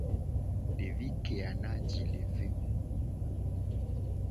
Devi keya na ji le ve mu.